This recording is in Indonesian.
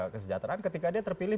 kesejahteraan ketika dia terpilih